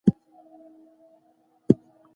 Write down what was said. ژمني مو پر ځای کړئ.